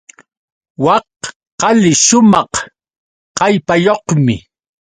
Wak qali shumaq kallpayuqmi.